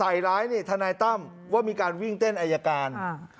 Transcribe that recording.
ใส่ล้ายนี้ธตั้มว่ามีการวิ่งเต้นอายการ